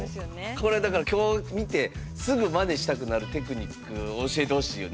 これだから今日見てすぐまねしたくなるテクニックを教えてほしいよね。